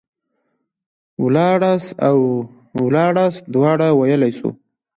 ولاړلاست او ولاړاست دواړه ويلاى سو.